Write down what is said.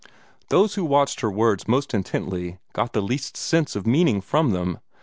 Those who watched her words most intently got the least sense of meaning from them.